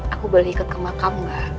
aku boleh ikut ke makam gak